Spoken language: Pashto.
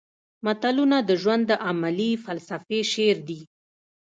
متلونه د ژوند د عملي فلسفې شعر دي